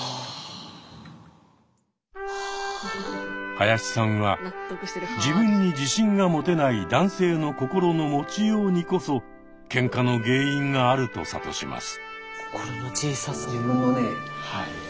林さんは自分に自信が持てない男性の心の持ちようにこそケンカの原因があると諭します。